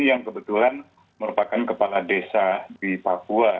yang kebetulan merupakan kepala desa di papua